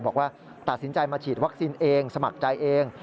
บอกว่าตัดสินใจมาฉีดวัคซีนเองสมัครใจเอง